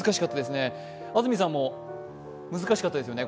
安住さんも難しかったですよね。